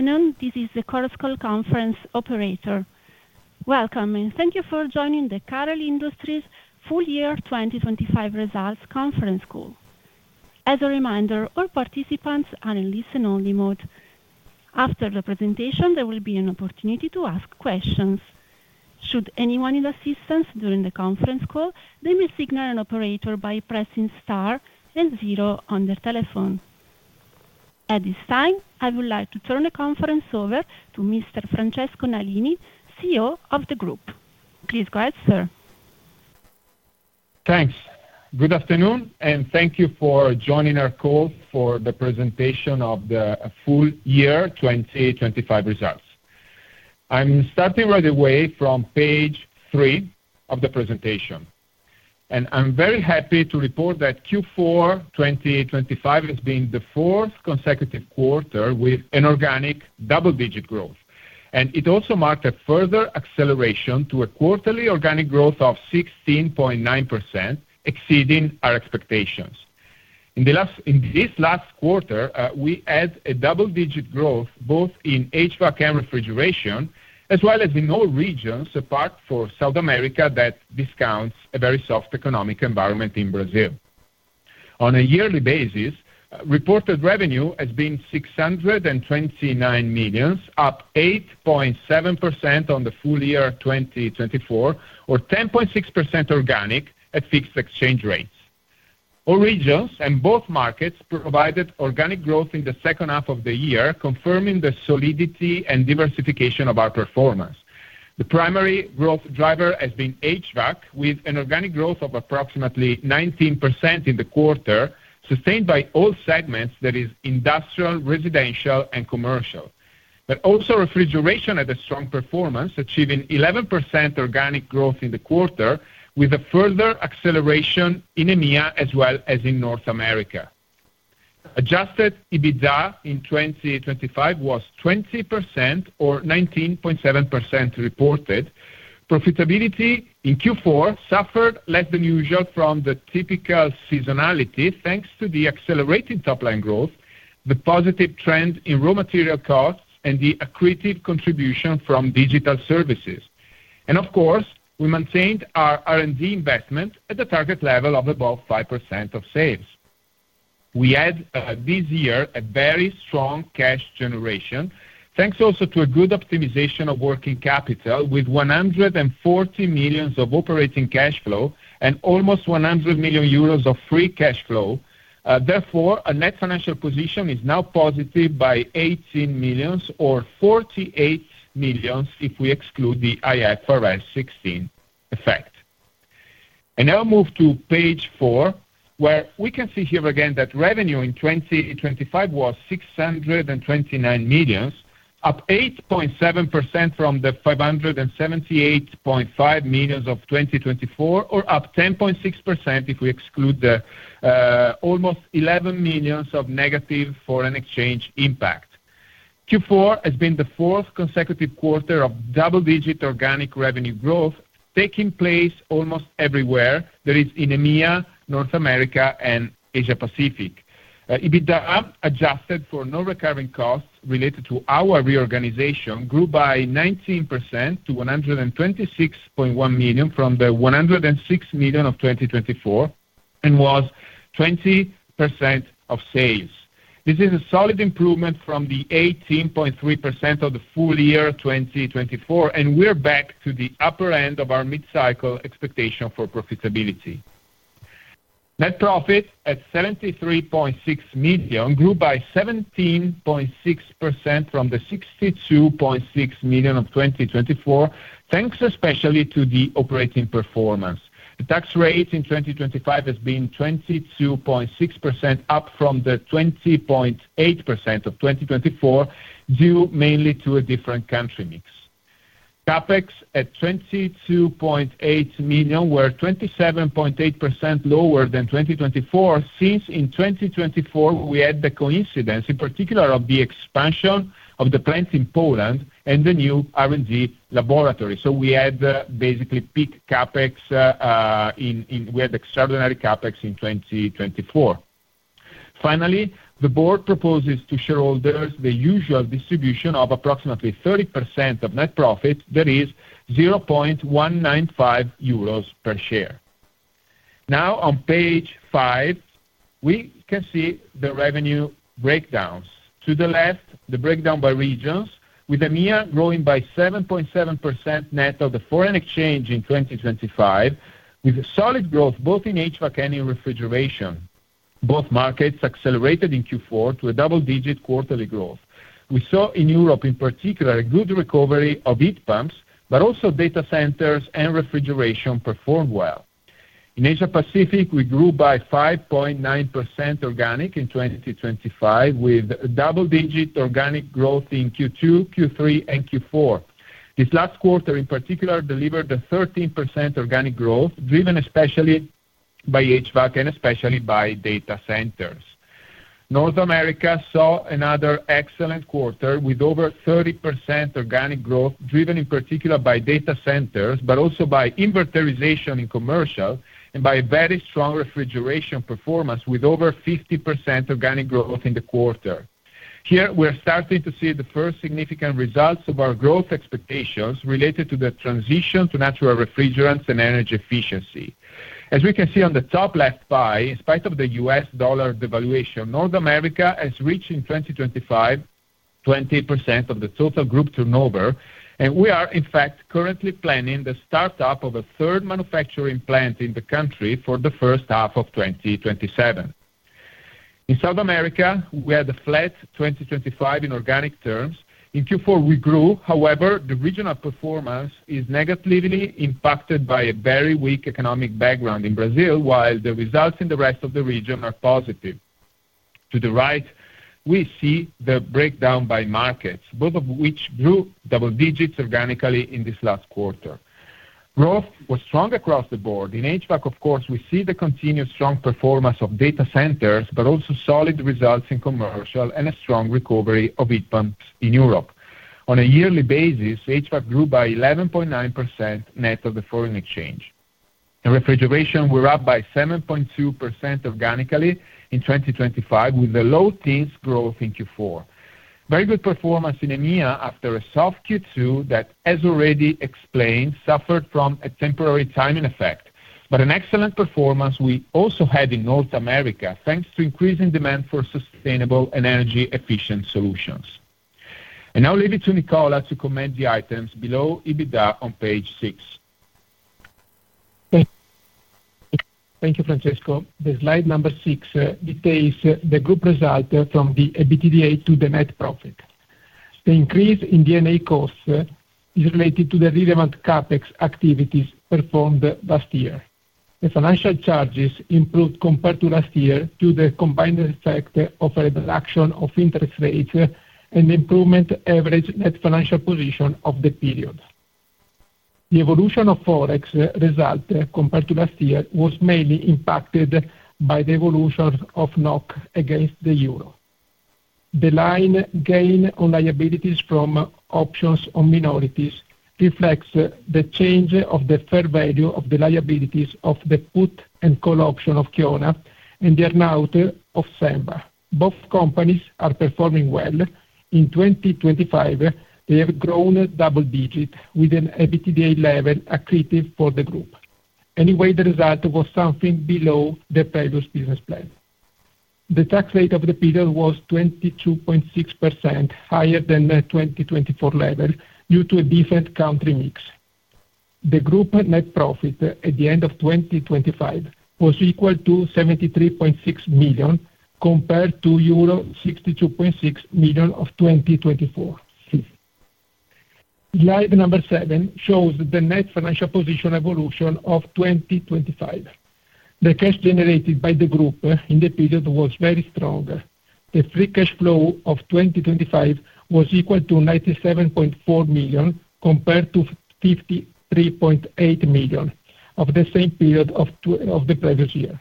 Afternoon. This is the CAREL Call Conference operator. Welcome, and thank you for joining the CAREL Industries Full Year 2025 Results Conference Call. As a reminder, all participants are in listen-only mode. After the presentation, there will be an opportunity to ask questions. Should anyone need assistance during the conference call, they may signal an operator by pressing star and zero on their telephone. At this time, I would like to turn the conference over to Mr. Francesco Nalini, CEO of the group. Please go ahead, sir. Thanks. Good afternoon, and thank you for joining our call for the presentation of the full year 2025 results. I'm starting right away from page three of the presentation, and I'm very happy to report that Q4 2025 has been the fourth consecutive quarter with an organic double-digit growth. It also marked a further acceleration to a quarterly organic growth of 16.9%, exceeding our expectations. In this last quarter, we had a double-digit growth, both in HVAC and refrigeration, as well as in all regions, apart from South America that discounts a very soft economic environment in Brazil. On a yearly basis, reported revenue has been 629 million, up 8.7% on the full year 2024 or 10.6% organic at fixed exchange rates. All regions and both markets provided organic growth in the second half of the year, confirming the solidity and diversification of our performance. The primary growth driver has been HVAC, with an organic growth of approximately 19% in the quarter, sustained by all segments, that is industrial, residential, and commercial. Also refrigeration had a strong performance, achieving 11% organic growth in the quarter with a further acceleration in EMEA as well as in North America. Adjusted EBITDA in 2025 was 20% or 19.7% reported. Profitability in Q4 suffered less than usual from the typical seasonality, thanks to the accelerated top-line growth, the positive trend in raw material costs, and the accretive contribution from digital services. Of course, we maintained our R&D investment at the target level of above 5% of sales. We had this year a very strong cash generation, thanks also to a good optimization of working capital with 140 million of operating cash flow and almost 100 million euros of free cash flow. Therefore, our net financial position is now positive by 18 million or 48 million if we exclude the IFRS 16 effect. I now move to page four, where we can see here again that revenue in 2025 was 629 million, up 8.7% from the 578.5 million of 2024, or up 10.6% if we exclude the almost 11 million of negative foreign exchange impact. Q4 has been the fourth consecutive quarter of double-digit organic revenue growth, taking place almost everywhere, that is in EMEA, North America, and Asia-Pacific. EBITDA adjusted for non-recurring costs related to our reorganization grew by 19% to 126.1 million from the 106 million of 2024 and was 20% of sales. This is a solid improvement from the 18.3% of the full year 2024, and we're back to the upper end of our mid-cycle expectation for profitability. Net profit at 73.6 million grew by 17.6% from the 62.6 million of 2024, thanks especially to the operating performance. The tax rate in 2025 has been 22.6%, up from the 20.8% of 2024, due mainly to a different country mix. CapEx at 22.8 million were 27.8% lower than 2024. Since in 2024, we had the coincidence in particular of the expansion of the plants in Poland and the new R&D laboratory. We had basically peak CapEx, we had extraordinary CapEx in 2024. Finally, the board proposes to shareholders the usual distribution of approximately 30% of net profit, that is 0.195 euros per share. Now, on page five, we can see the revenue breakdowns. To the left, the breakdown by regions, with EMEA growing by 7.7% net of the foreign exchange in 2025, with solid growth both in HVAC and in refrigeration. Both markets accelerated in Q4 to a double-digit quarterly growth. We saw in Europe in particular a good recovery of heat pumps, but also data centers and refrigeration performed well. In Asia-Pacific, we grew by 5.9% organic in 2025, with double-digit organic growth in Q2, Q3, and Q4. This last quarter in particular delivered a 13% organic growth, driven especially by HVAC and especially by data centers. North America saw another excellent quarter with over 30% organic growth, driven in particular by data centers, but also by inverterization in commercial and by very strong refrigeration performance with over 50% organic growth in the quarter. Here we are starting to see the first significant results of our growth expectations related to the transition to natural refrigerants and energy efficiency. As we can see on the top left pie, in spite of the U.S. dollar devaluation, North America has reached in 2025, 20% of the total group turnover, and we are in fact currently planning the start up of a third manufacturing plant in the country for the first half of 2027. In South America, we had a flat 2025 in organic terms. In Q4 we grew, however, the regional performance is negatively impacted by a very weak economic background in Brazil, while the results in the rest of the region are positive. To the right, we see the breakdown by markets, both of which grew double digits organically in this last quarter. Growth was strong across the board. In HVAC, of course, we see the continued strong performance of data centers, but also solid results in commercial and a strong recovery of heat pumps in Europe. On a yearly basis, HVAC grew by 11.9% net of the foreign exchange. In refrigeration, we're up by 7.2% organically in 2025, with the low-teens growth in Q4. Very good performance in EMEA after a soft Q2 that, as already explained, suffered from a temporary timing effect, but an excellent performance we also had in North America, thanks to increasing demand for sustainable and energy-efficient solutions. I now leave it to Nicola to comment on the items below EBITDA on page six. Thank you, Francesco. The slide number six details the group result from the EBITDA to the net profit. The increase in D&A costs is related to the relevant CapEx activities performed last year. The financial charges improved compared to last year due to the combined effect of a reduction of interest rates and improved average net financial position of the periods. The evolution of Forex result compared to last year was mainly impacted by the evolution of NOK against the euro. The line gain on liabilities from options on minorities reflects the change of the fair value of the liabilities of the put and call option of Kiona and the earnout of Senva. Both companies are performing well. In 2025, they have grown double digits with an EBITDA level accretive for the group. Anyway, the result was something below the previous business plan. The tax rate of the period was 22.6% higher than the 2024 level due to a different country mix. The group net profit at the end of 2025 was equal to 73.6 million, compared to euro 62.6 million of 2024. Slide seven shows the net financial position evolution of 2025. The cash generated by the group in the period was very strong. The free cash flow of 2025 was equal to 97.4 million, compared to 53.8 million of the same period of the previous year.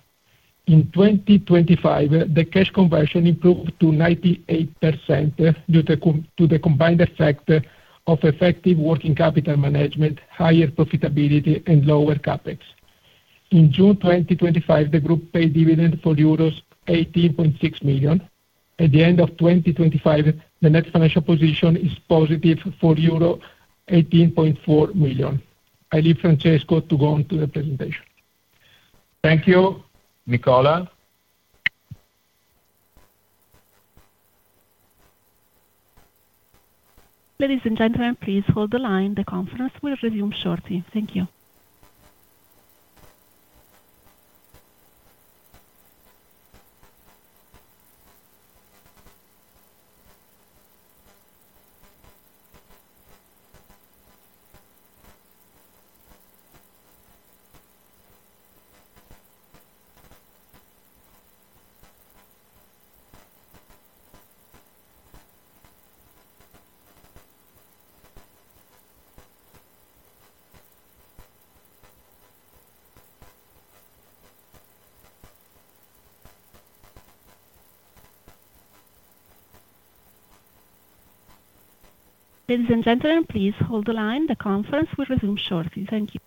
In 2025, the cash conversion improved to 98% due to the combined effect of effective working capital management, higher profitability, and lower CapEx. In June 2025, the group paid dividend for euros 18.6 million. At the end of 2025, the net financial position is positive for euro 18.4 million. I leave Francesco to go on to the presentation. Thank you, Nicola. Ladies and gentlemen, please hold the line. The conference will resume shortly. Thank you. Ladies and gentlemen, please hold the line. The conference will resume shortly. Thank you.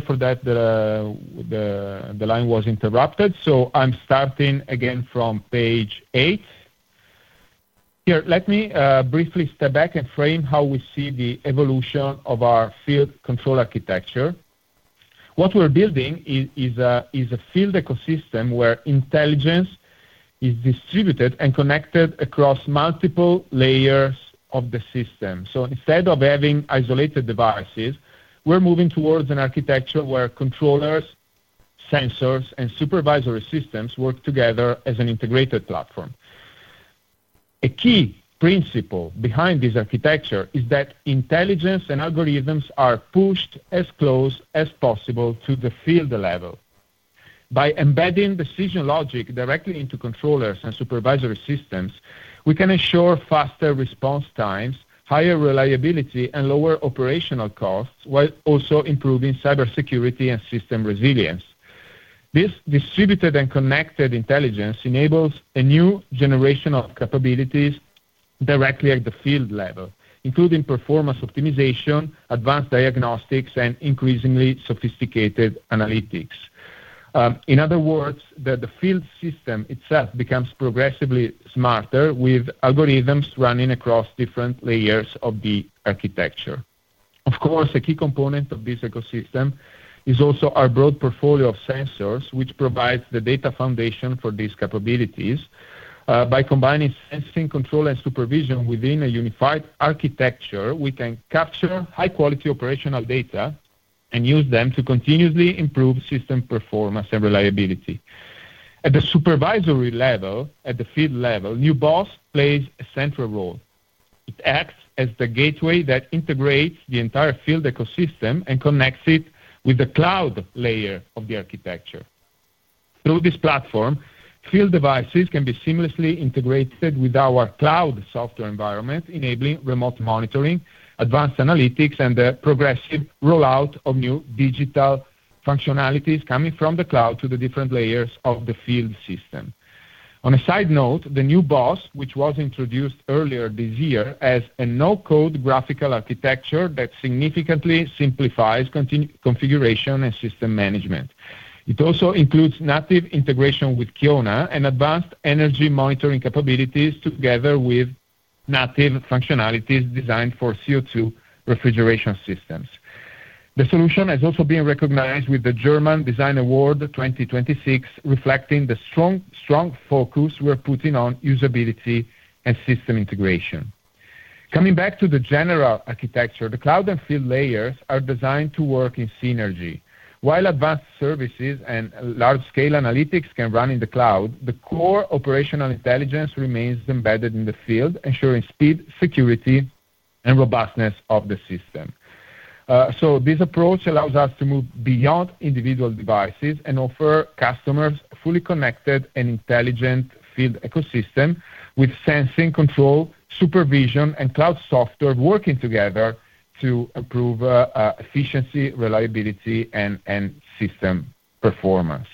For that, the line was interrupted. I'm starting again from page eight. Here, let me briefly step back and frame how we see the evolution of our field control architecture. What we're building is a field ecosystem where intelligence is distributed and connected across multiple layers of the system. Instead of having isolated devices, we're moving towards an architecture where controllers, sensors, and supervisory systems work together as an integrated platform. A key principle behind this architecture is that intelligence and algorithms are pushed as close as possible to the field level. By embedding decision logic directly into controllers and supervisory systems, we can ensure faster response times, higher reliability, and lower operational costs, while also improving cybersecurity and system resilience. This distributed and connected intelligence enables a new generation of capabilities directly at the field level, including performance optimization, advanced diagnostics, and increasingly sophisticated analytics. In other words, the field system itself becomes progressively smarter with algorithms running across different layers of the architecture. Of course, a key component of this ecosystem is also our broad portfolio of sensors, which provides the data foundation for these capabilities. By combining sensing control and supervision within a unified architecture, we can capture high-quality operational data and use them to continuously improve system performance and reliability. At the supervisory level, at the field level, new boss plays a central role. It acts as the gateway that integrates the entire field ecosystem and connects it with the cloud layer of the architecture. Through this platform, field devices can be seamlessly integrated with our cloud software environment, enabling remote monitoring, advanced analytics, and the progressive rollout of new digital functionalities coming from the cloud to the different layers of the field system. On a side note, the new boss, which was introduced earlier this year, has a no-code graphical architecture that significantly simplifies configuration and system management. It also includes native integration with Kiona and advanced energy monitoring capabilities together with native functionalities designed for CO2 refrigeration systems. The solution has also been recognized with the German Design Award 2026, reflecting the strong focus we're putting on usability and system integration. Coming back to the general architecture, the cloud and field layers are designed to work in synergy. While advanced services and large-scale analytics can run in the cloud, the core operational intelligence remains embedded in the field, ensuring speed, security, and robustness of the system. This approach allows us to move beyond individual devices and offer customers a fully connected and intelligent field ecosystem with sensing control, supervision, and cloud software working together to improve efficiency, reliability, and system performance.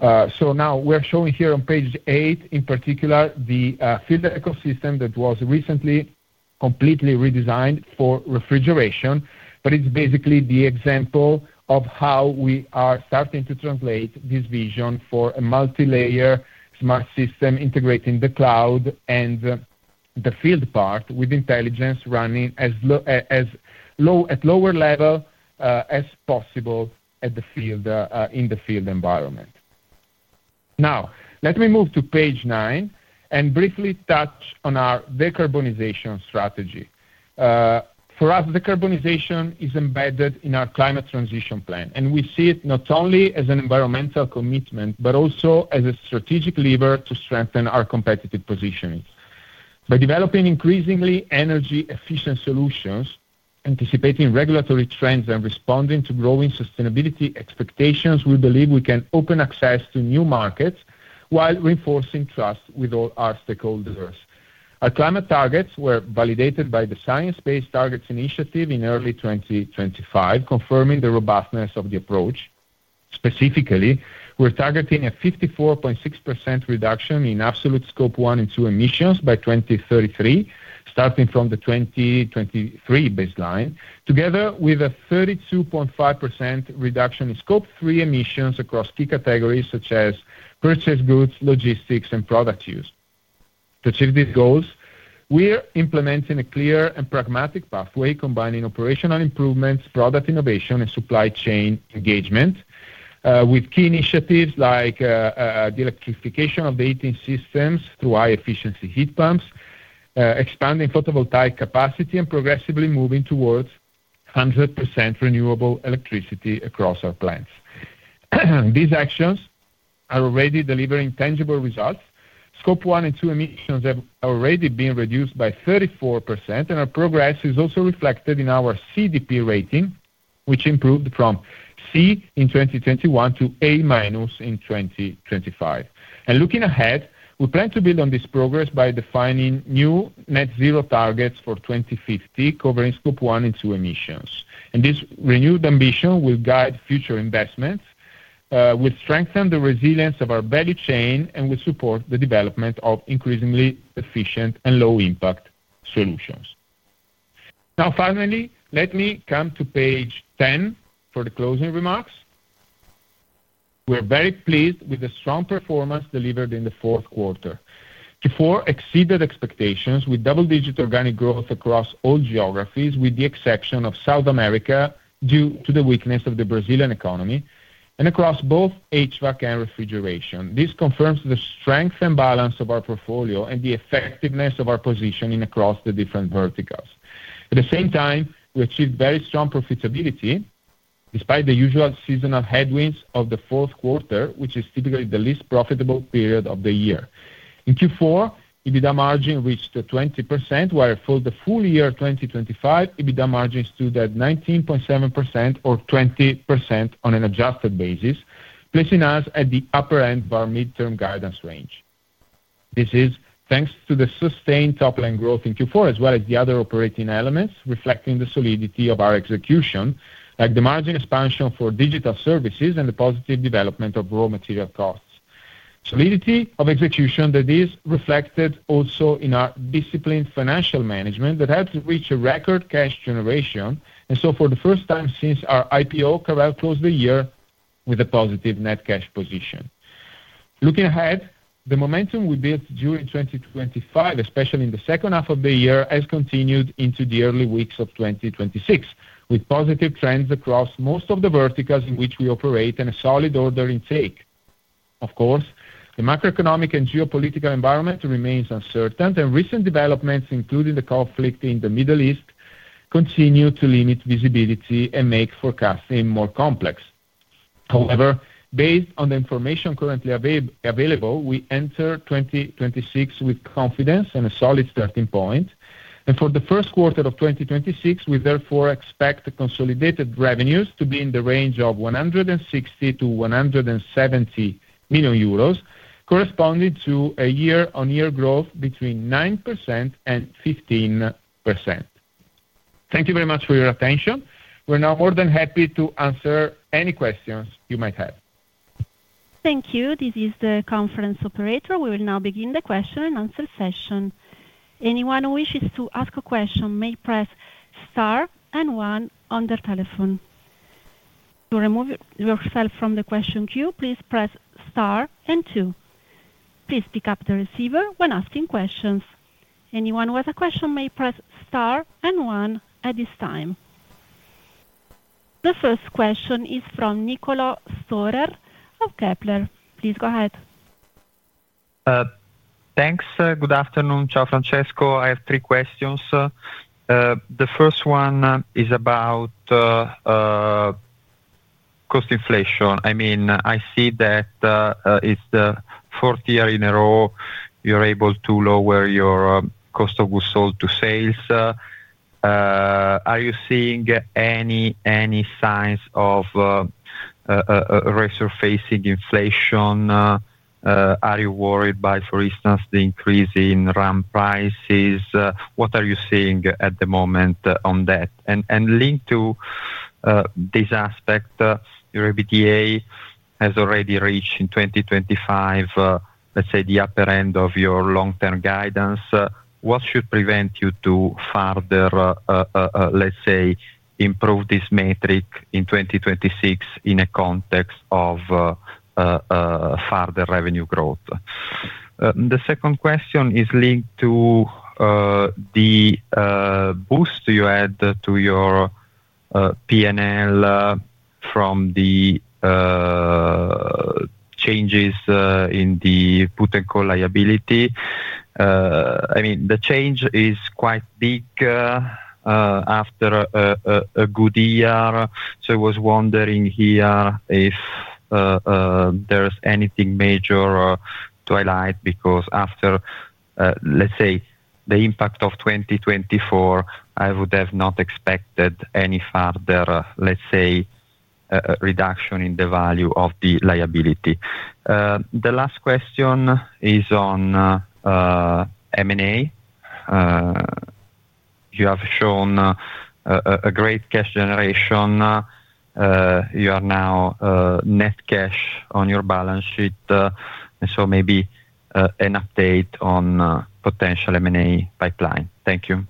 Now we're showing here on page eight, in particular, the field ecosystem that was recently completely redesigned for refrigeration. It's basically the example of how we are starting to translate this vision for a multilayer smart system integrating the cloud and the field part with intelligence running as low as possible in the field environment. Now, let me move to page nine and briefly touch on our decarbonization strategy. For us, decarbonization is embedded in our climate transition plan, and we see it not only as an environmental commitment but also as a strategic lever to strengthen our competitive positioning. By developing increasingly energy-efficient solutions, anticipating regulatory trends, and responding to growing sustainability expectations, we believe we can open access to new markets while reinforcing trust with all our stakeholders. Our climate targets were validated by the Science-Based Targets initiative in early 2025, confirming the robustness of the approach. Specifically, we're targeting a 54.6% reduction in absolute Scope 1 and 2 emissions by 2033, starting from the 2023 baseline, together with a 32.5% reduction in Scope 3 emissions across key categories such as purchased goods, logistics, and product use. To achieve these goals, we're implementing a clear and pragmatic pathway combining operational improvements, product innovation, and supply chain engagement, with key initiatives like the electrification of heating systems through high-efficiency heat pumps, expanding photovoltaic capacity, and progressively moving towards 100% renewable electricity across our plants. These actions are already delivering tangible results. Scope 1 and 2 emissions have already been reduced by 34%, and our progress is also reflected in our CDP rating, which improved from C in 2021 to A- in 2025. Looking ahead, we plan to build on this progress by defining new net zero targets for 2050, covering Scope 1 and 2 emissions. This renewed ambition will guide future investments, will strengthen the resilience of our value chain, and will support the development of increasingly efficient and low-impact solutions. Now finally, let me come to page 10 for the closing remarks. We're very pleased with the strong performance delivered in the fourth quarter. Q4 exceeded expectations with double-digit organic growth across all geographies, with the exception of South America due to the weakness of the Brazilian economy and across both HVAC and refrigeration. This confirms the strength and balance of our portfolio and the effectiveness of our positioning across the different verticals. At the same time, we achieved very strong profitability. Despite the usual seasonal headwinds of the fourth quarter, which is typically the least profitable period of the year. In Q4, EBITDA margin reached to 20%, where for the full year 2025, EBITDA margin stood at 19.7% or 20% on an adjusted basis, placing us at the upper end of our midterm guidance range. This is thanks to the sustained top line growth in Q4, as well as the other operating elements reflecting the solidity of our execution, like the margin expansion for digital services and the positive development of raw material costs. Solidity of execution that is reflected also in our disciplined financial management that helped reach a record cash generation. For the first time since our IPO, CAREL closed the year with a positive net cash position. Looking ahead, the momentum we built during 2025, especially in the second half of the year, has continued into the early weeks of 2026, with positive trends across most of the verticals in which we operate and a solid order intake. Of course, the macroeconomic and geopolitical environment remains uncertain, and recent developments, including the conflict in the Middle East, continue to limit visibility and make forecasting more complex. However, based on the information currently available, we enter 2026 with confidence and a solid starting point. For the first quarter of 2026, we therefore expect the consolidated revenues to be in the range of 160 million-170 million euros, corresponding to a year-on-year growth between 9% and 15%. Thank you very much for your attention. We're now more than happy to answer any questions you might have. Thank you. This is the conference operator. We will now begin the question-and-answer session. Anyone who wishes to ask a question may press star and one on their telephone. To remove yourself from the question queue, please press star and two. Please pick up the receiver when asking questions. Anyone with a question may press star and one at this time. The first question is from Niccolò Storer of Kepler Cheuvreux. Please go ahead. Thanks. Good afternoon, Chair Francesco. I have three questions. The first one is about cost inflation. I mean, I see that it's the fourth year in a row you're able to lower your cost of goods sold to sales. Are you seeing any signs of resurfacing inflation? Are you worried by, for instance, the increase in RM prices? What are you seeing at the moment on that? Linked to this aspect, your EBITDA has already reached in 2025, let's say, the upper end of your long term guidance. What should prevent you to further, let's say, improve this metric in 2026 in a context of further revenue growth? The second question is linked to the boost you add to your P&L from the changes in the put and call liability. I mean, the change is quite big after a good year. I was wondering here if there's anything major to highlight, because after let's say the impact of 2024, I would have not expected any further let's say reduction in the value of the liability. The last question is on M&A. You have shown a great cash generation. You are now net cash on your balance sheet. Maybe an update on potential M&A pipeline. Thank you.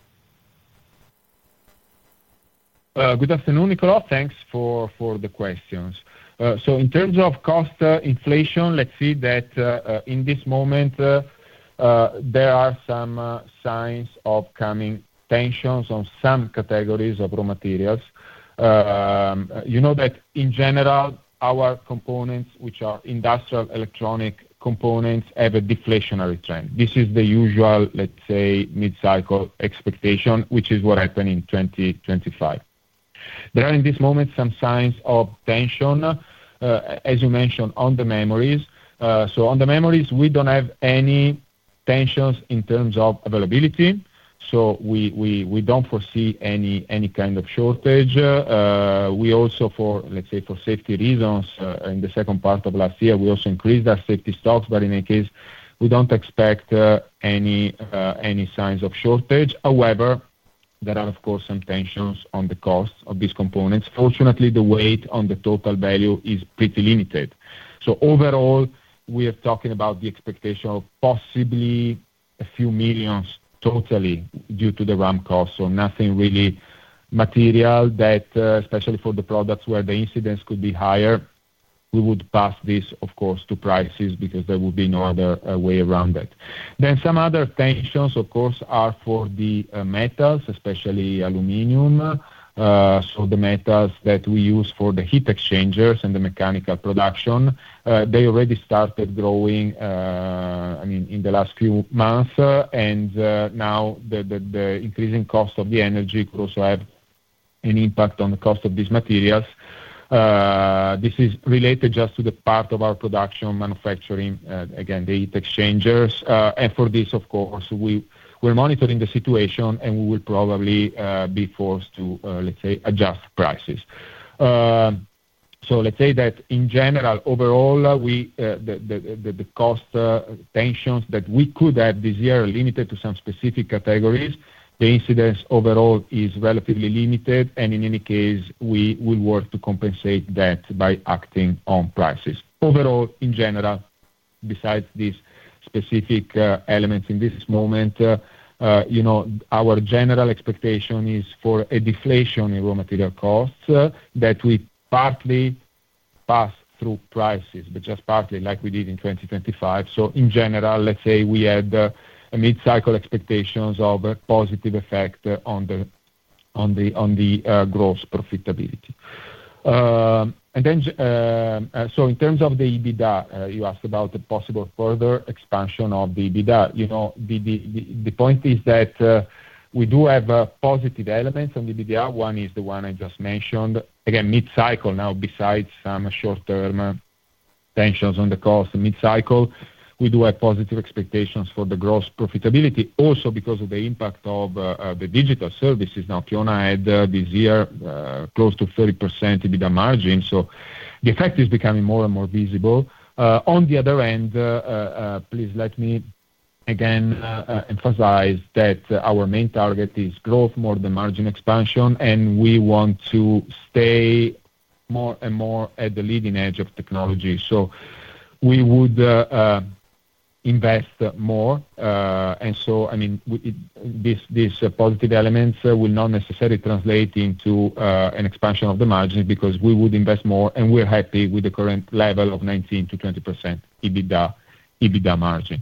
Good afternoon, Niccolò. Thanks for the questions. In terms of cost inflation, let's see that, in this moment, there are some signs of coming tensions on some categories of raw materials. You know that in general, our components, which are industrial electronic components, have a deflationary trend. This is the usual, let's say, mid-cycle expectation, which is what happened in 2025. There are, in this moment, some signs of tension, as you mentioned, on the memories. On the memories, we don't have any tensions in terms of availability, so we don't foresee any kind of shortage. We also, for, let's say, for safety reasons, in the second part of last year, we also increased our safety stocks. In any case, we don't expect any signs of shortage. However, there are, of course, some tensions on the cost of these components. Fortunately, the weight on the total value is pretty limited. Overall, we are talking about the expectation of possibly a few million totally due to the RM costs. Nothing really material, especially for the products where the incidence could be higher. We would pass this, of course, to prices because there will be no other way around it. Some other tensions, of course, are for the metals, especially aluminum. The metals that we use for the heat exchangers and the mechanical production, they already started growing, I mean, in the last few months. Now the increasing cost of the energy could also have an impact on the cost of these materials. This is related just to the part of our production, manufacturing, again, the heat exchangers. For this, of course, we're monitoring the situation, and we will probably be forced to, let's say, adjust prices. Let's say that in general, overall, the cost tensions that we could have this year are limited to some specific categories. The incidence overall is relatively limited, and in any case, we will work to compensate that by acting on prices. Overall, in general, besides these specific elements in this moment, you know, our general expectation is for a deflation in raw material costs that we partly pass through prices, but just partly like we did in 2025. In general, let's say we had mid-cycle expectations of a positive effect on the gross profitability. In terms of the EBITDA, you asked about the possible further expansion of the EBITDA. You know, the point is that we do have positive elements on the EBITDA. One is the one I just mentioned. Again, mid-cycle now, besides some short-term tensions on the cost mid-cycle, we do have positive expectations for the gross profitability also because of the impact of the digital services. Now, Kiona had this year close to 30% EBITDA margin, so the effect is becoming more and more visible. On the other end, please let me again emphasize that our main target is growth more than margin expansion, and we want to stay more and more at the leading edge of technology. We would invest more. I mean, this positive elements will not necessarily translate into an expansion of the margin because we would invest more, and we're happy with the current level of 19%-20% EBITDA margin.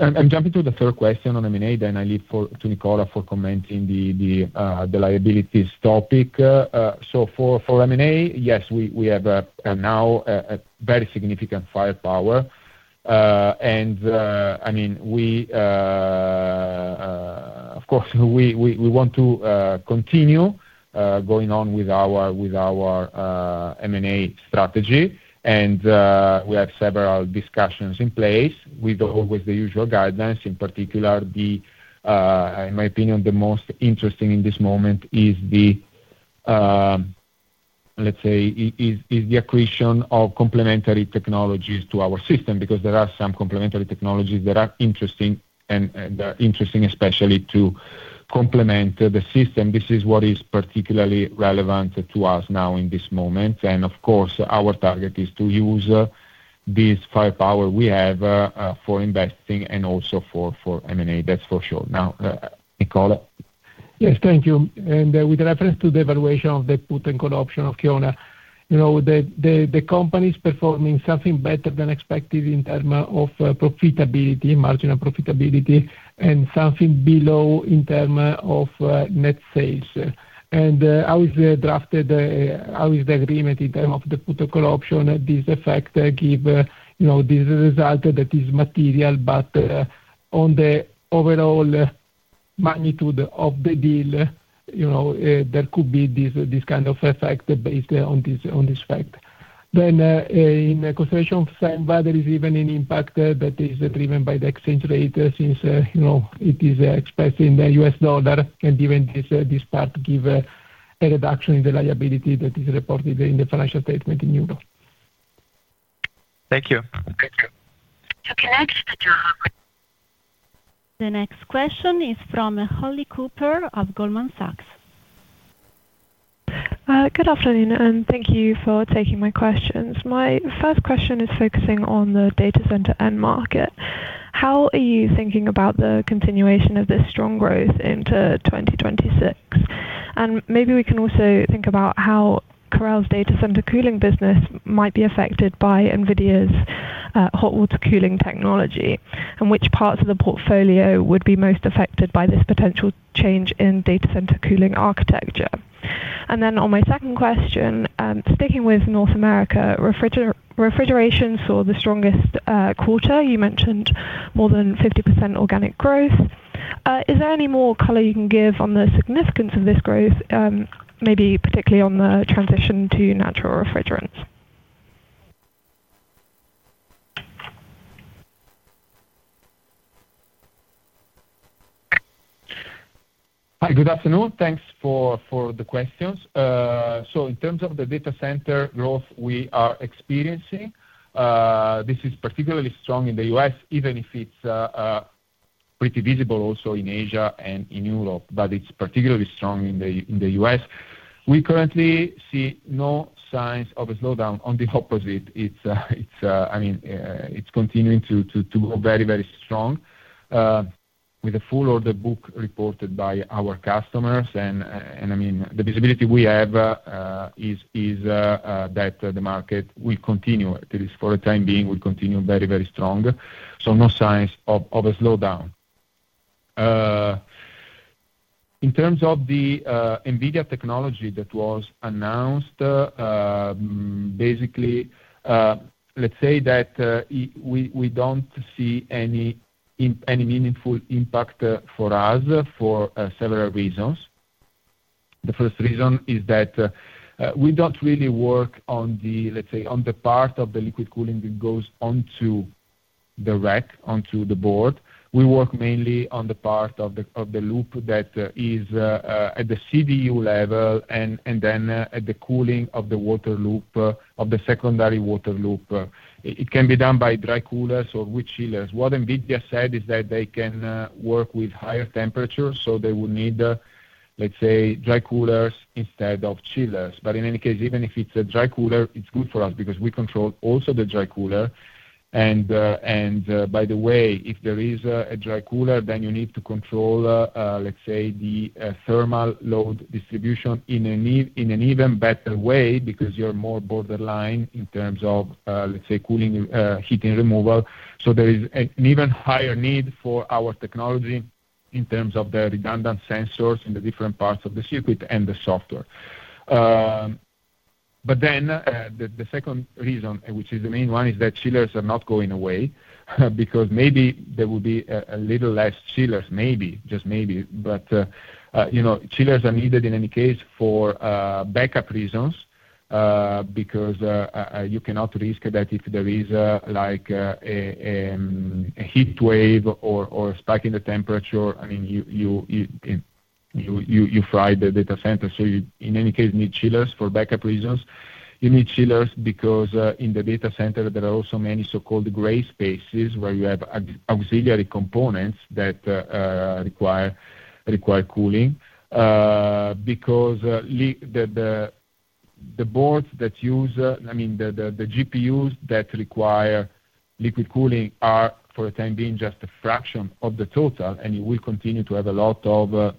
I'm jumping to the third question on M&A, then I leave to Nicola for commenting the liabilities topic. For M&A, yes, we have now a very significant firepower. I mean, we... Of course, we want to continue going on with our M&A strategy. We have several discussions in place with the usual guidance. In particular, in my opinion, the most interesting in this moment is let's say, is the acquisition of complementary technologies to our system, because there are some complementary technologies that are interesting, and they're interesting especially to complement the system. This is what is particularly relevant to us now in this moment. Of course, our target is to use this firepower we have for investing and also for M&A. That's for sure. Now, Nicola. Yes, thank you. With reference to the evaluation of the put and call option of Kiona, you know, the company is performing something better than expected in terms of profitability, margin and profitability, and something below in terms of net sales. How is the agreement in terms of the put or call option, this effect give, you know, this result that is material, but on the overall magnitude of the deal, you know, there could be this kind of effect based on this fact. In consideration of Senva, there is even an impact that is driven by the exchange rate since, you know, it is expressed in the U.S. dollar, and even this part give a reduction in the liability that is reported in the financial statement in euro. Thank you. Thank you. The next question is from Hollie Cooper of Goldman Sachs. Good afternoon, and thank you for taking my questions. My first question is focusing on the data center end market. How are you thinking about the continuation of this strong growth into 2026? Maybe we can also think about how CAREL's data center cooling business might be affected by NVIDIA's hot water cooling technology, and which parts of the portfolio would be most affected by this potential change in data center cooling architecture. Then on my second question, sticking with North America, refrigeration saw the strongest quarter. You mentioned more than 50% organic growth. Is there any more color you can give on the significance of this growth, maybe particularly on the transition to natural refrigerants? Hi. Good afternoon. Thanks for the questions. In terms of the data center growth we are experiencing, this is particularly strong in the U.S., even if it's pretty visible also in Asia and in Europe, but it's particularly strong in the U.S. We currently see no signs of a slowdown. On the opposite, I mean, it's continuing to go very, very strong with a full order book reported by our customers. I mean, the visibility we have is that the market will continue at least for the time being very, very strong. No signs of a slowdown. In terms of the NVIDIA technology that was announced, basically, let's say that we don't see any meaningful impact for us for several reasons. The first reason is that we don't really work on the, let's say, on the part of the liquid cooling that goes onto the rack, onto the board. We work mainly on the part of the loop that is at the CDU level and then at the cooling of the water loop of the secondary water loop. It can be done by dry coolers or with chillers. What NVIDIA said is that they can work with higher temperatures, so they would need, let's say, dry coolers instead of chillers. In any case, even if it's a dry cooler, it's good for us because we control also the dry cooler. By the way, if there is a dry cooler, then you need to control, let's say, the thermal load distribution in an even better way because you're more borderline in terms of, let's say, cooling, heating removal. There is an even higher need for our technology in terms of the redundant sensors in the different parts of the circuit and the software. The second reason, which is the main one, is that chillers are not going away because maybe there will be a little less chillers, maybe, just maybe. You know, chillers are needed in any case for backup reasons because you cannot risk that if there is, like, a heat wave or spike in the temperature. I mean, you fry the data center. You, in any case, need chillers for backup reasons. You need chillers because in the data center there are also many so-called gray spaces where you have auxiliary components that require cooling because the boards that use, I mean, the GPUs that require liquid cooling are, for the time being, just a fraction of the total, and you will continue to have a lot of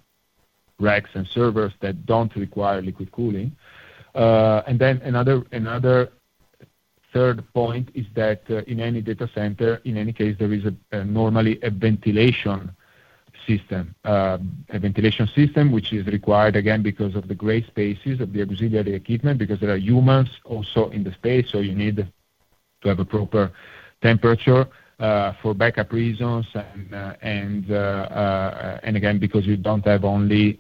racks and servers that don't require liquid cooling. Another third point is that in any data center, in any case, there is normally a ventilation system. A ventilation system which is required again because of the gray spaces of the auxiliary equipment because there are humans also in the space, so you need to have a proper temperature for backup reasons and again, because we don't have only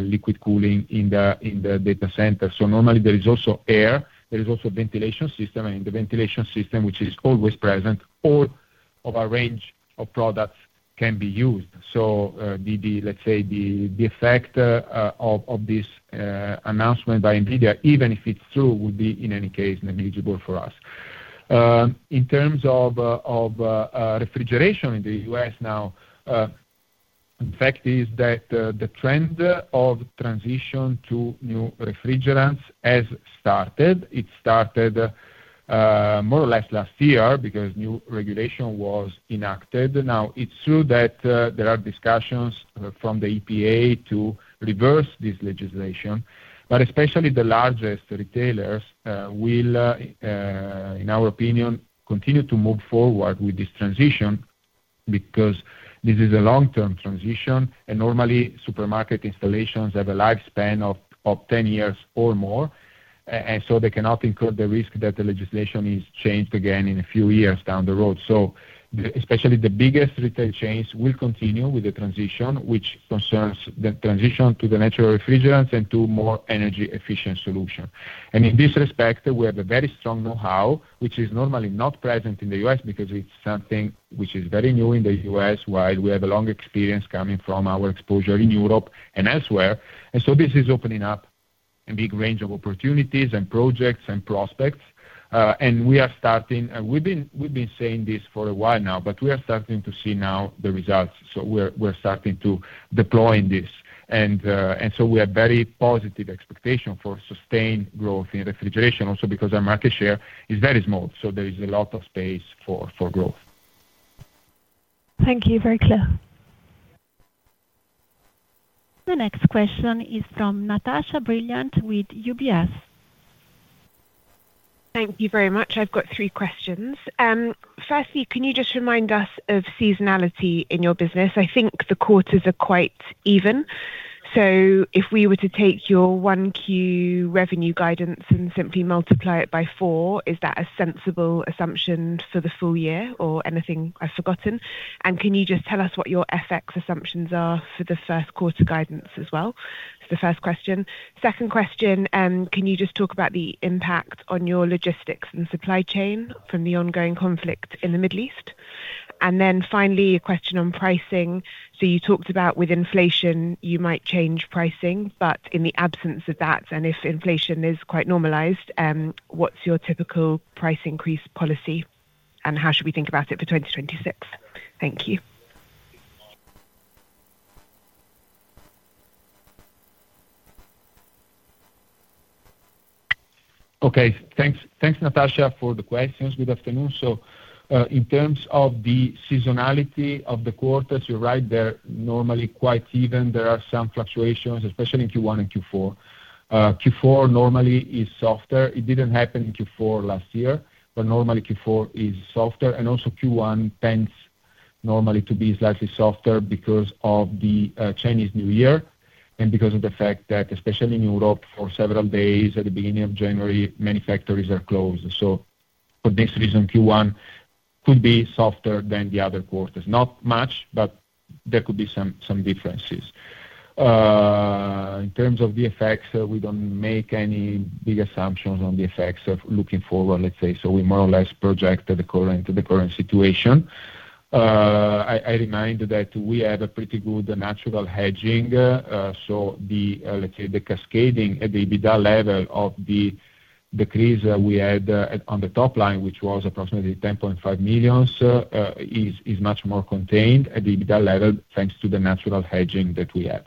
liquid cooling in the data center. Normally there is also air, ventilation system, and the ventilation system which is always present. All of our range of products can be used. The, let's say, the effect of this announcement by NVIDIA even if it's true, would be in any case negligible for us. In terms of refrigeration in the U.S. now, the fact is that the trend of transition to new refrigerants has started. It started more or less last year because new regulation was enacted. Now, it's true that there are discussions from the EPA to reverse this legislation, but especially the largest retailers will, in our opinion, continue to move forward with this transition because this is a long-term transition, and normally supermarket installations have a lifespan of 10 years or more. They cannot incur the risk that the legislation is changed again in a few years down the road. Especially the biggest retail chains will continue with the transition, which concerns the transition to the natural refrigerants and to more energy efficient solution. In this respect, we have a very strong know-how, which is normally not present in the U.S. because it's something which is very new in the U.S., while we have a long experience coming from our exposure in Europe and elsewhere. This is opening up a big range of opportunities and projects and prospects. We've been saying this for a while now, but we are starting to see the results now. We're starting to deploy this. We have very positive expectations for sustained growth in refrigeration also because our market share is very small. There is a lot of space for growth. Thank you. Very clear. The next question is from Natasha Brilliant with UBS. Thank you very much. I've got three questions. Firstly, can you just remind us of seasonality in your business? I think the quarters are quite even. If we were to take your 1Q revenue guidance and simply multiply it by four, is that a sensible assumption for the full year or anything I've forgotten? Can you just tell us what your FX assumptions are for the first quarter guidance as well? It's the first question. Second question, can you just talk about the impact on your logistics and supply chain from the ongoing conflict in the Middle East? Then finally, a question on pricing. You talked about with inflation you might change pricing, but in the absence of that, and if inflation is quite normalized, what's your typical price increase policy, and how should we think about it for 2026? Thank you. Okay. Thanks Natasha for the questions. Good afternoon. In terms of the seasonality of the quarters, you're right, they're normally quite even. There are some fluctuations, especially in Q1 and Q4. Q4 normally is softer. It didn't happen in Q4 last year, but normally Q4 is softer and also Q1 tends normally to be slightly softer because of the Chinese New Year and because of the fact that, especially in Europe, for several days at the beginning of January, many factories are closed. For this reason, Q1 could be softer than the other quarters. Not much, but there could be some differences. In terms of the effects, we don't make any big assumptions on the effects of looking forward, let's say. We more or less project to the current situation. I remind that we have a pretty good natural hedging. Let's say the cascading at the EBITDA level of the decrease we had on the top line, which was approximately 10.5 million, is much more contained at the EBITDA level, thanks to the natural hedging that we have.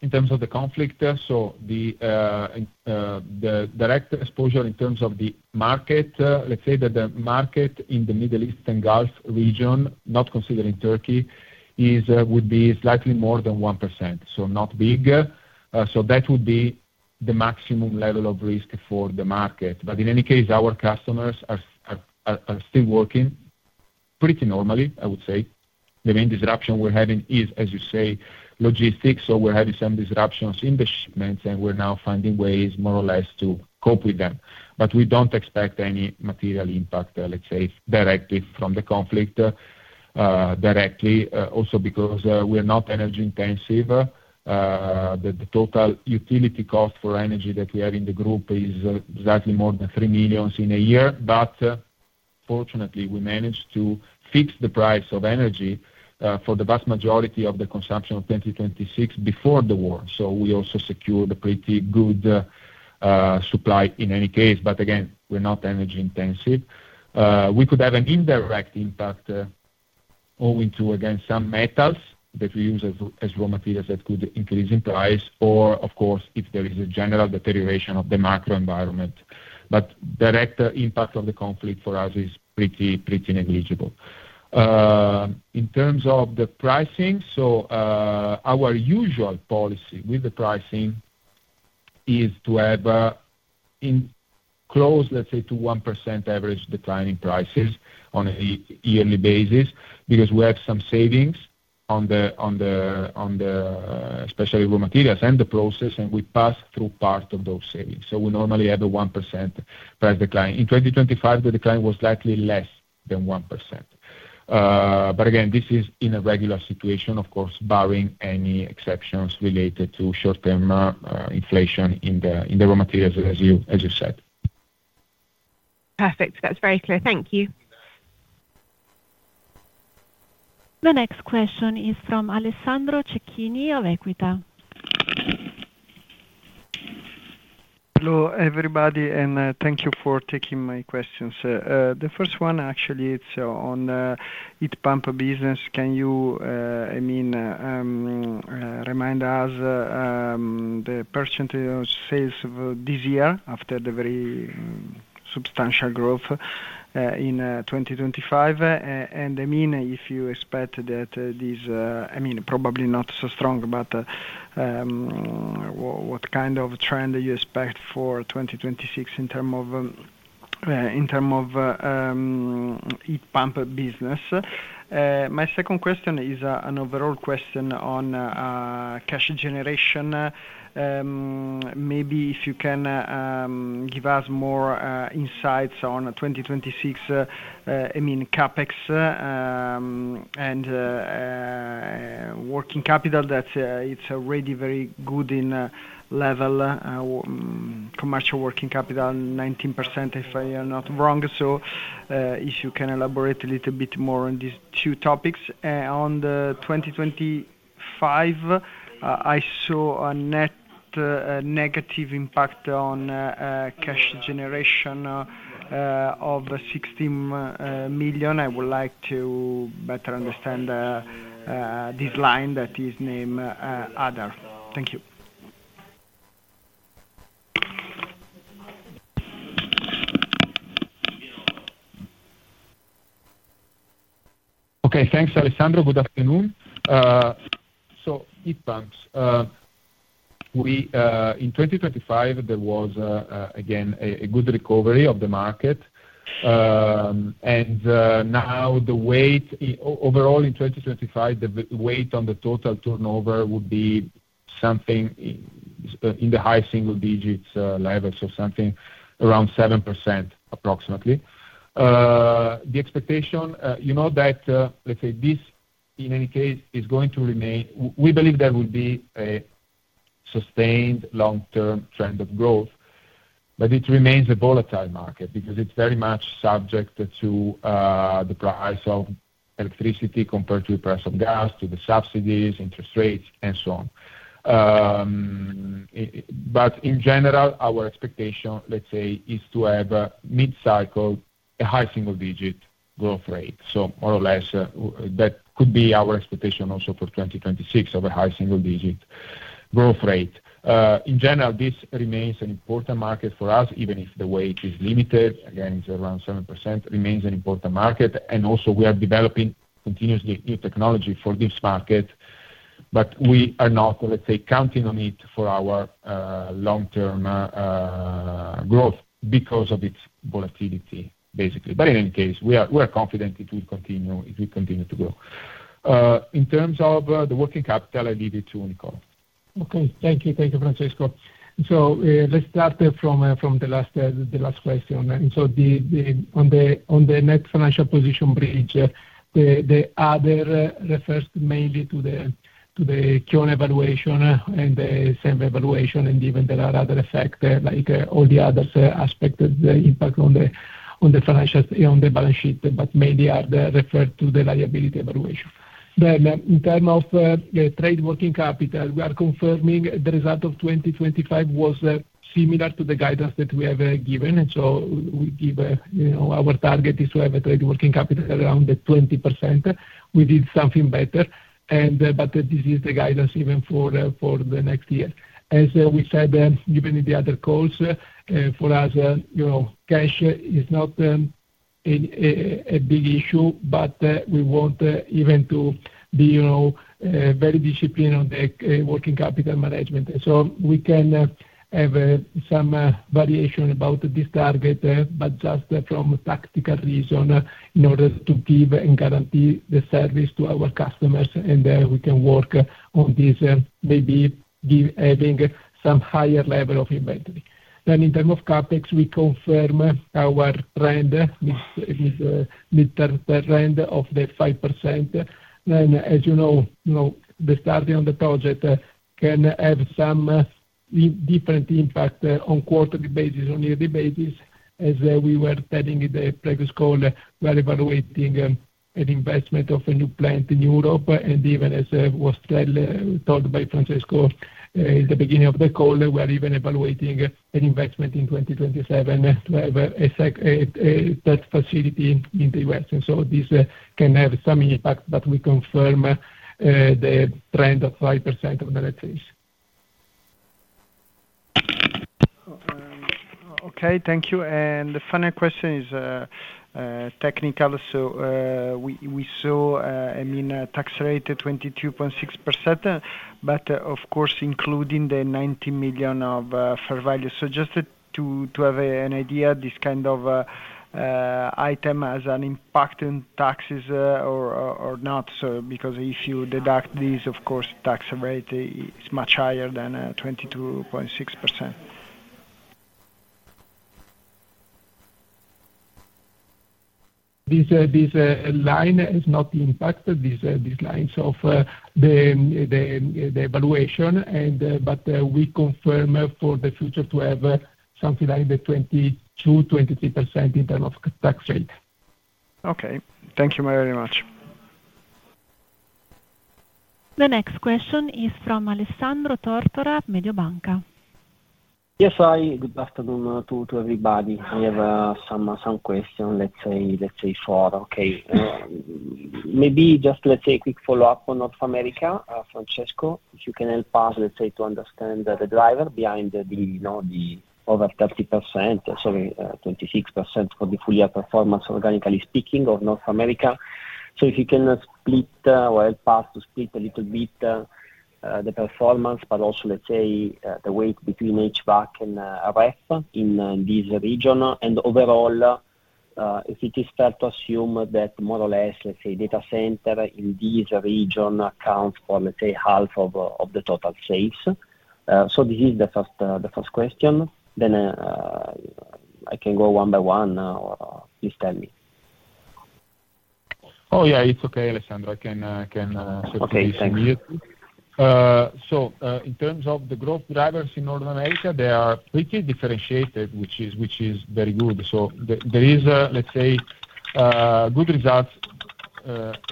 In terms of the conflict, the direct exposure in terms of the market, let's say that the market in the Middle East and Gulf region, not considering Turkey, would be slightly more than 1%, so not big. That would be the maximum level of risk for the market. In any case, our customers are still working pretty normally, I would say. The main disruption we're having is, as you say, logistics. We're having some disruptions in the shipments, and we're now finding ways more or less to cope with them. We don't expect any material impact, let's say, directly from the conflict, also because we are not energy intensive. The total utility cost for energy that we have in the group is exactly more than 3 million a year. Fortunately, we managed to fix the price of energy for the vast majority of the consumption of 2026 before the war. We also secured a pretty good supply in any case. We're not energy intensive. We could have an indirect impact owing to, again, some metals that we use as raw materials that could increase in price or of course, if there is a general deterioration of the macro environment. Direct impact of the conflict for us is pretty negligible. In terms of the pricing, our usual policy with the pricing is to have in close, let's say, to 1% average decline in prices on a yearly basis, because we have some savings on the especially raw materials and the process, and we pass through part of those savings. We normally have a 1% price decline. In 2025, the decline was slightly less than 1%. Again, this is in a regular situation, of course, barring any exceptions related to short-term inflation in the raw materials as you said. Perfect. That's very clear. Thank you. The next question is from Alessandro Cecchini of Equita. Hello, everybody, and thank you for taking my questions. The first one actually it's on heat pump business. Can you, I mean, remind us the percentage sales of this year after the very substantial growth in 2025? And I mean, if you expect that this, I mean, probably not so strong, but what kind of trend you expect for 2026 in terms of heat pump business. My second question is an overall question on cash generation. Maybe if you can give us more insights on 2026, I mean, CapEx and working capital, that it's already very good in level, commercial working capital, 19%, if I am not wrong. If you can elaborate a little bit more on these two topics. On the 2025, I saw a net negative impact on cash generation of 16 million. I would like to better understand this line that is named other. Thank you. Okay. Thanks, Alessandro. Good afternoon. Heat pumps. We in 2025 there was again a good recovery of the market. Now the weight overall in 2025, the weight on the total turnover would be something in the high single digits levels or something around 7%, approximately. The expectation, you know, let's say this, in any case, is going to remain. We believe there will be a sustained long-term trend of growth, but it remains a volatile market because it's very much subject to the price of electricity compared to the price of gas, to the subsidies, interest rates, and so on. In general, our expectation, let's say, is to have a mid-cycle, a high single digit growth rate. More or less, that could be our expectation also for 2026 of a high single digit growth rate. In general, this remains an important market for us, even if the weight is limited. Again, it's around 7%, remains an important market. Also we are developing continuously new technology for this market, but we are not, let's say, counting on it for our long-term growth because of its volatility, basically. In any case, we are confident it will continue to grow. In terms of the working capital, I leave it to Nicola. Okay, thank you. Thank you, Francesco. Let's start from the last question. On the next financial position bridge, the other refers mainly to the current evaluation and the same evaluation, and even there are other effects, like all the other aspects of the impact on the financials, on the balance sheet, but mainly they are referred to the liability evaluation. In terms of trade working capital, we are confirming the result of 2025 was similar to the guidance that we have given. We give a, you know, our target is to have a trade working capital around 20%. We did something better, but this is the guidance even for the next year. As we said, even in the other calls, for us, you know, cash is not a big issue, but we want even to be, you know, very disciplined on the working capital management. We can have some variation about this target, but just from a tactical reason in order to give and guarantee the service to our customers, and then we can work on this, maybe be having some higher level of inventory. In terms of CapEx, we confirm our trend with the midterm trend of the 5%. As you know, you know, the starting on the project can have some different impact on quarterly basis, on yearly basis. As we were telling you in the previous call, we are evaluating an investment in a new plant in Europe, and even as told by Francesco in the beginning of the call, we're even evaluating an investment in 2027 to have a second facility in the U.S. This can have some impact, but we confirm the trend of 5% in that case. Okay. Thank you. The final question is technical. We saw, I mean, tax rate 22.6%, but of course, including the 90 million of fair value. Just to have an idea, this kind of item has an impact on taxes or not. Because if you deduct these, of course, tax rate is much higher than 22.6%. This line has not impacted these lines of the evaluation, but we confirm for the future to have something like 22%-23% in terms of tax rate. Okay. Thank you very much. The next question is from Alessandro Tortora, Mediobanca. Yes. Hi. Good afternoon to everybody. I have some question, let's say four. Okay. Maybe just let's say a quick follow-up on North America. Francesco, if you can help us, let's say, to understand the driver behind the over 30%, sorry, 26% for the full year performance, organically speaking, of North America. If you can split or help us to split a little bit the performance, but also, let's say, the weight between HVAC and ref in this region and overall, if it is fair to assume that more or less, let's say, data center in this region accounts for, let's say, half of the total sales. This is the first question. I can go one by one. Please tell me. Oh, yeah, it's okay, Alessandro. I can. Okay. Thanks. In terms of the growth drivers in North America, they are pretty differentiated, which is very good. There is, let's say, good results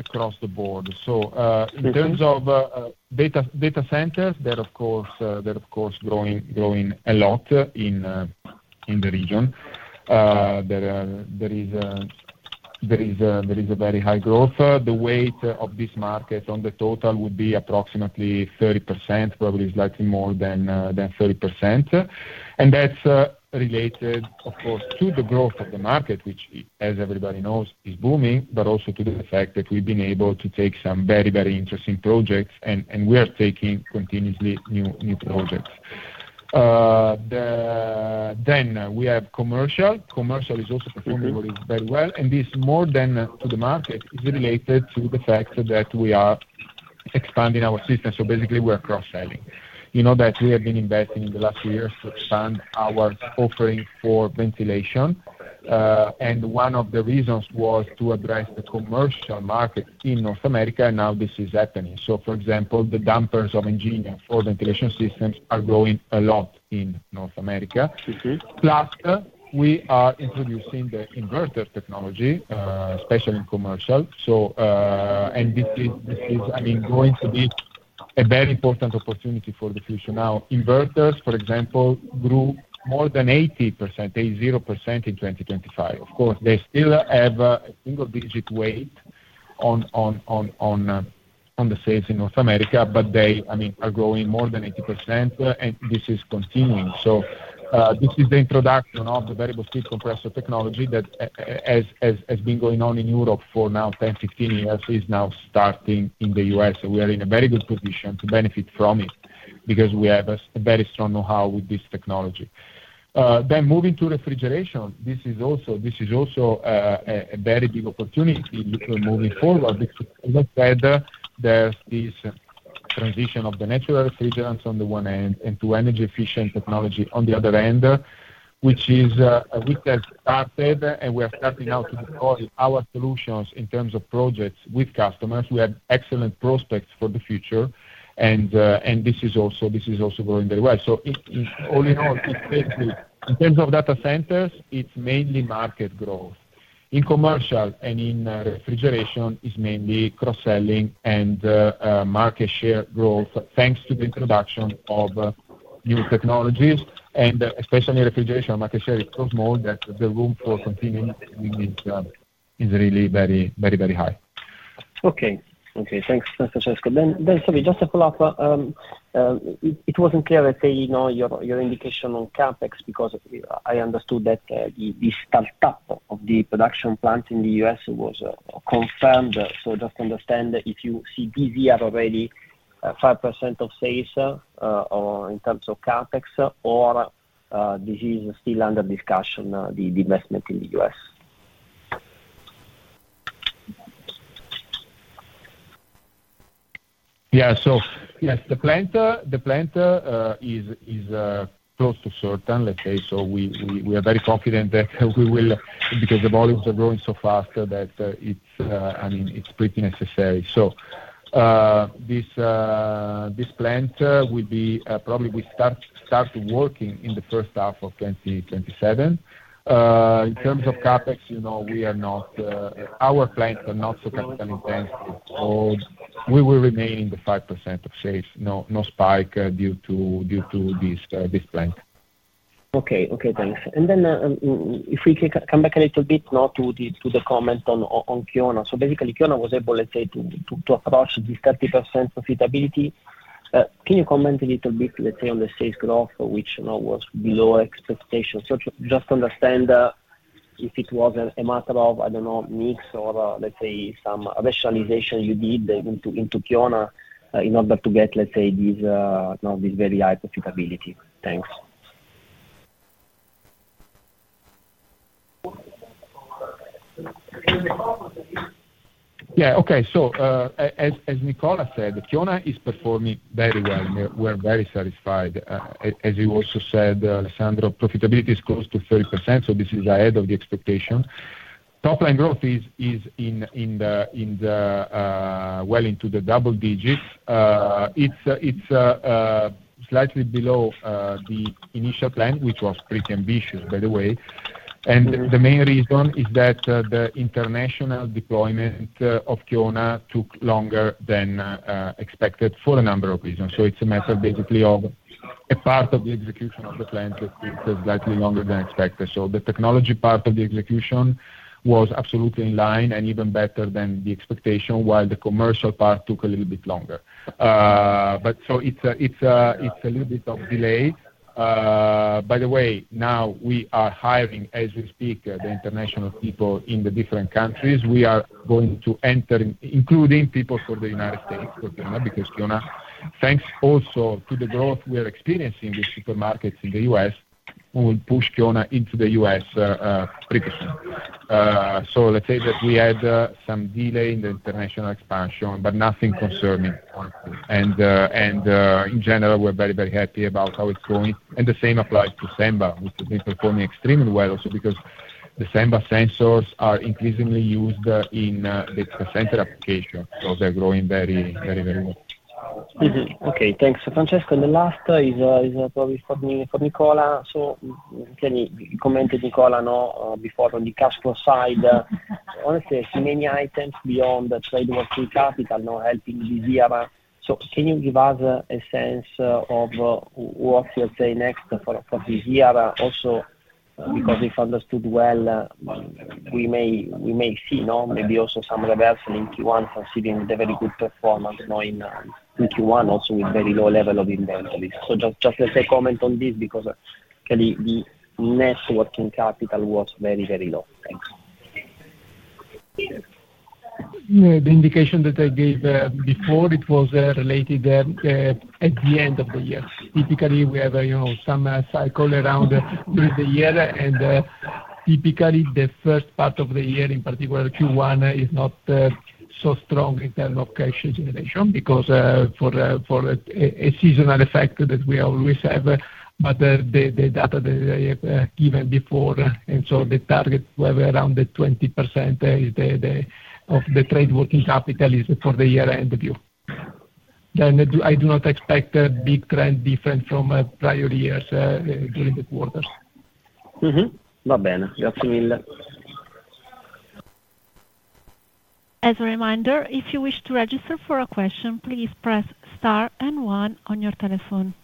across the board. Mm-hmm. In terms of data centers, they're of course growing a lot in the region. There is a very high growth. The weight of this market on the total would be approximately 30%, probably slightly more than 30%. That's related of course to the growth of the market, which as everybody knows is booming, but also to the fact that we've been able to take some very interesting projects and we are taking continuously new projects. We have commercial. Commercial is also performing very well, and this more than to the market is related to the fact that we are expanding our system. Basically we're cross-selling. You know that we have been investing in the last few years to expand our offering for ventilation, and one of the reasons was to address the commercial market in North America, and now this is happening. For example, the dampers of Enginia for ventilation systems are growing a lot in North America. Mm-hmm. Plus, we are introducing the inverter technology, especially in commercial. This is, I mean, going to be a very important opportunity for the future. Now, inverters, for example, grew more than 80% in 2025. Of course, they still have a single-digit weight on the sales in North America, but they, I mean, are growing more than 80%, and this is continuing. This is the introduction of the variable speed compressor technology that has been going on in Europe for now 10, 15 years, is now starting in the U.S. We are in a very good position to benefit from it because we have a very strong know-how with this technology. Moving to refrigeration. This is also a very big opportunity moving forward because let's say there's this transition to natural refrigerants on the one hand, and to energy-efficient technology on the other hand, which has started, and we are starting now to deploy our solutions in terms of projects with customers. We have excellent prospects for the future, and this is also going very well. It all in all, it's basically in terms of data centers, it's mainly market growth. In commercial and in refrigeration is mainly cross-selling and market share growth, thanks to the introduction of new technologies and especially refrigeration, market share is so small that the room for continuing is really very high. Thanks, Francesco. Sorry, just to follow up, it wasn't clear, let's say, you know, your indication on CapEx because I understood that the start up of the production plant in the U.S. was confirmed. Just to understand if you see this year already 5% of sales or in terms of CapEx or this is still under discussion, the investment in the U.S. Yeah. Yes, the plant is close to certain, let's say. We are very confident that we will because the volumes are growing so fast that, I mean, it's pretty necessary. This plant will probably start working in the first half of 2027. In terms of CapEx, you know, we are not, our plants are not so capital intense, so we will remain in the 5% of sales. No spike due to this plant. Okay. Okay, thanks. If we can come back a little bit now to the comment on Kiona. Basically, Kiona was able, let's say, to approach this 30% profitability. Can you comment a little bit, let's say, on the sales growth, which, you know, was below expectation. Just understand if it was a matter of, I don't know, mix or, let's say, some rationalization you did into Kiona in order to get, let's say, these, you know, these very high profitability. Thanks. Yeah. Okay. As Nicola said, Kiona is performing very well. We are very satisfied. As you also said, Alessandro, profitability is close to 30%, so this is ahead of the expectation. Top line growth is well into the double digits. It's slightly below the initial plan, which was pretty ambitious, by the way. The main reason is that the international deployment of Kiona took longer than expected for a number of reasons. It's a matter basically of a part of the execution of the plan took slightly longer than expected. The technology part of the execution was absolutely in line and even better than the expectation, while the commercial part took a little bit longer. It's a little bit of delay. By the way, now we are hiring, as we speak, the international people in the different countries. We are including people for the United States for Kiona, because Kiona, thanks also to the growth we are experiencing with supermarkets in the U.S., we will push Kiona into the U.S. previously. Let's say that we had some delay in the international expansion, but nothing concerning. In general, we're very, very happy about how it's going. The same applies to Senva, which has been performing extremely well also because the Senva sensors are increasingly used in data center application, so they're growing very, very, very well. Mm-hmm. Okay. Thanks, Francesco. The last is probably for Nicola. Can you comment, Nicola, now briefly on the cash flow side? Honestly, so many items beyond the trade working capital, you know, helping this year. Can you give us a sense of what you see next for this year also? Because if I understood well, we may see now maybe also some reversal in Q1 considering the very good performance, you know, in Q1, also with very low level of inventory. Just as a comment on this, because actually the net working capital was very, very low. Thanks. Yeah. The indication that I gave before was related to the end of the year. Typically, we have a you know some cycle around during the year. Typically the first part of the year, in particular Q1, is not so strong in terms of cash generation because for a seasonal effect that we always have. The data that I have given before, so the target will be around the 20% of the trade working capital for the year-end view. I do not expect a big trend different from prior years during the quarter. As a reminder, if you wish to register for a question, please press star and one on your telephone.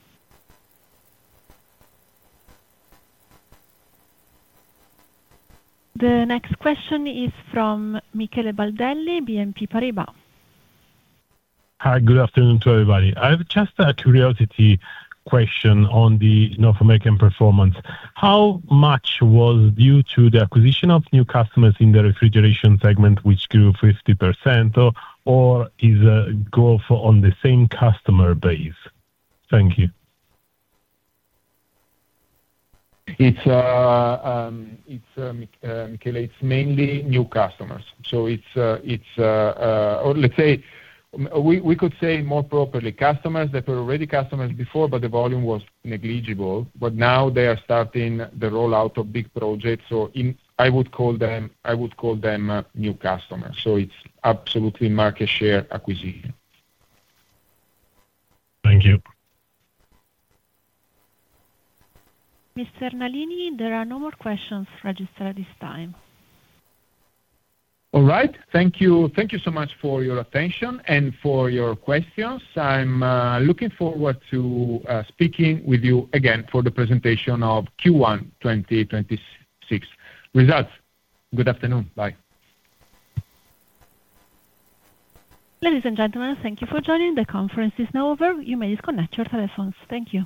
The next question is from Michele Baldelli, BNP Paribas. Hi. Good afternoon to everybody. I have just a curiosity question on the North American performance. How much was due to the acquisition of new customers in the refrigeration segment, which grew 50%, or is a growth on the same customer base? Thank you. Michele, it's mainly new customers. Let's say we could say more properly customers that were already customers before, but the volume was negligible. Now they are starting the rollout of big projects. I would call them new customers. It's absolutely market share acquisition. Thank you. Mr. Nalini, there are no more questions registered at this time. All right. Thank you. Thank you so much for your attention and for your questions. I'm looking forward to speaking with you again for the presentation of Q1 2026 results. Good afternoon. Bye. Ladies and gentlemen, thank you for joining. The conference is now over. You may disconnect your telephones. Thank you.